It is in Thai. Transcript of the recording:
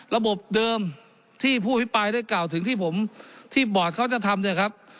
ระบบเดิมที่ผู้อภิปรายได้กล่าวถึงที่ผมที่บอร์ดเขาจะทำเนี่ยครับ